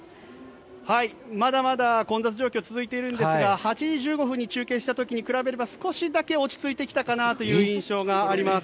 まだまだ混雑状況が続いているんですが８時１５分に中継した時に比べれば少しだけ落ち着いてきたかなという印象があります。